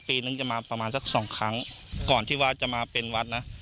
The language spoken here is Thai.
ปีนึงจะมาประมาณสักสองครั้งก่อนที่วัดจะมาเป็นวัดนะ